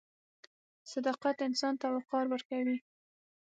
• صداقت انسان ته وقار ورکوي.